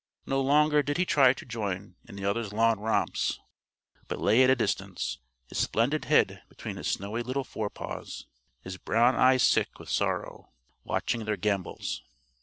No longer did he try to join in the others' lawn romps, but lay at a distance, his splendid head between his snowy little forepaws, his brown eyes sick with sorrow, watching their gambols.